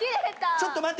ちょっと待って。